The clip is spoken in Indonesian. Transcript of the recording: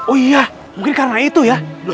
oh iya mungkin karena itu ya